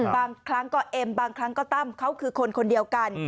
บางครั้งก็เอ็มบางครั้งก็ตั้มเขาคือคนคนเดียวกัน